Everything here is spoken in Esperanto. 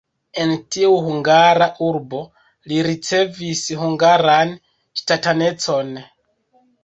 En tiu hungara urbo li ricevis hungaran ŝtatanecon.